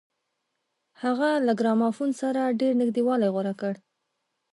هغه له ګرامافون سره ډېر نږدېوالی غوره کړ